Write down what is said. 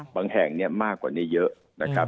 แห่งเนี่ยมากกว่านี้เยอะนะครับ